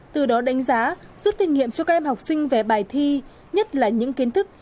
từ đó đánh giá rút kinh nghiệm cho các em học sinh về bài thi nhất là những kiến thức